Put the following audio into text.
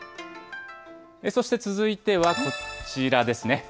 そして続いては、こちらですね。